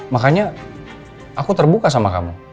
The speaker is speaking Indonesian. makanya aku terbuka sama kamu